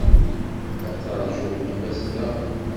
Ad teṛju weltma-s da.